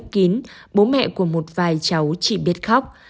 trên đất kín bố mẹ của một vài cháu chỉ biết khóc